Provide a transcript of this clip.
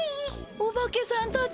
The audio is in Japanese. おばけさんたちです。